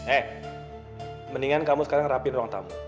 eh mendingan kamu sekarang rapin ruang tamu